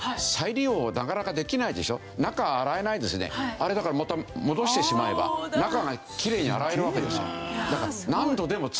あれだからまた戻してしまえば中がきれいに洗えるわけですよ。